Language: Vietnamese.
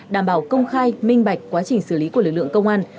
đảm bảo công khai minh bạch quá trình xử lý của lực lượng công an